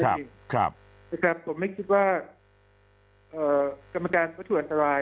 ผมไม่คิดว่ากรรมการวัตถุอันตราย